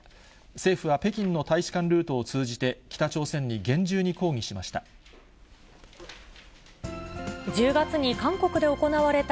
政府は北京の大使館ルートを通じて、北朝鮮に厳重に抗議しました。